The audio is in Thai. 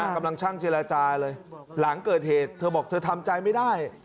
กำลังช่างเจรจาเลยหลังเกิดเหตุเธอบอกเธอทำใจไม่ได้